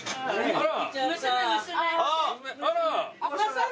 あら！